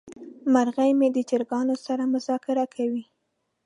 مرغه مې د چرګانو سره مذاکره کوي.